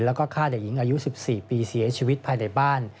แล้วก็ฆ่าเด็กหญิงอายุ๑๔ปีเสียชีวิตภายในบ้าน